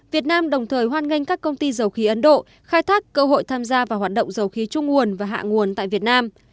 việt nam đồng thời hoan nghênh các công ty dầu khí ấn độ khai thác cơ hội tham gia vào hoạt động dầu khí trung nguồn và hạ nguồn tại việt nam